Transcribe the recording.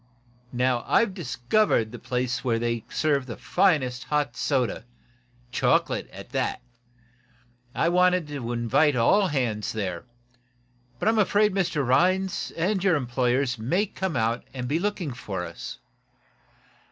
Now, I've discovered the place where they serve the finest hot soda chocolate, at that. I wanted to invite all hands there. But I'm afraid Rhinds and your employers may come out and be looking for us.